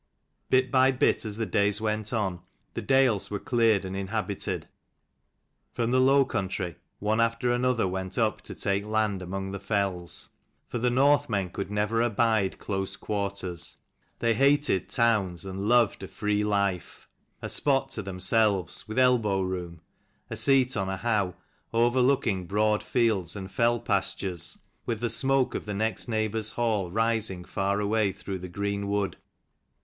Bit by bit, as the days went on, the dales were cleared and inhabited. From the low country one after another went up to take land among the fells. For the Northmen could never abide close quarters. They hated towns, and loved a free life : a spot to themselves, with elbow room ; a seat on a howe overlooking broad fields and fell pastures, with the smoke of the next neighbour's hall rising far away through the green wood.